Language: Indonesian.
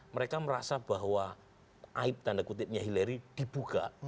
mereka merasa bahwa aib tanda kutipnya hillary dibuka